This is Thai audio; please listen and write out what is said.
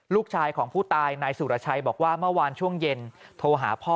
ลูกชายของผู้ตายนายสุรชัยบอกว่าเมื่อวานช่วงเย็นโทรหาพ่อ